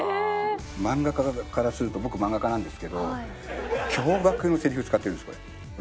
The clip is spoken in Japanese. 漫画家からすると僕漫画家なんですけど驚愕のセリフを使ってるんですこれ。